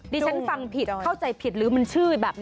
ดิฉันฟังผิดเข้าใจผิดหรือมันชื่อแบบนี้